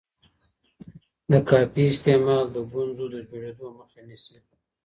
د کافي استعمال د ګونځو د جوړیدو مخه نیسي.